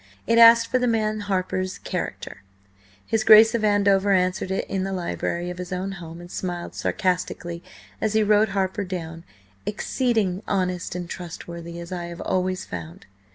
It asked for the man Harper's character. His Grace of Andover answered it in the library of his own home, and smiled sarcastically as he wrote Harper down "exceeding honest and trustworthy, as I have always found."